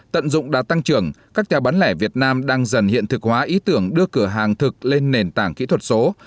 tận dụng đã tăng trưởng các nhà bán lẻ việt nam đang dần hiện thực hóa ý tưởng đưa cửa hàng thực lên nền tảng kỹ thuật số